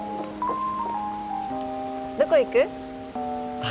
どこ行く？